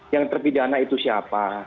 yang terpidana itu siapa